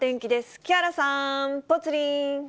木原さん、ぽつリン。